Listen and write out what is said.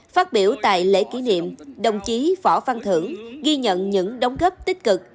phát biểu tại lễ kỷ niệm đồng chí phỏ phan thưởng ghi nhận những đồng góp tích cực